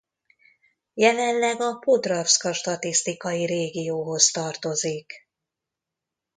Jelenleg a Podravska statisztikai régióhoz tartozik.